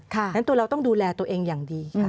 ฉะนั้นตัวเราต้องดูแลตัวเองอย่างดี